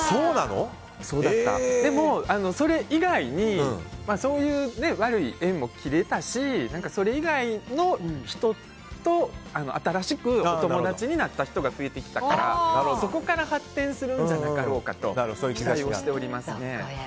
でも、それ以外にそういう悪い縁も切れたしそれ以外の人と、新しくお友達になった人が増えてきたからそこから発展するんじゃなかろうかと期待をしておりますね。